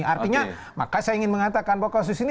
artinya maka saya ingin mengatakan bahwa kasus ini